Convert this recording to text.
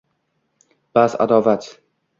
Bas, adovat!